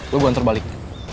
lo gue antar balik